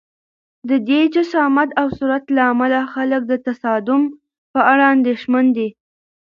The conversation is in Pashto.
د دې جسامت او سرعت له امله خلک د تصادم په اړه اندېښمن دي.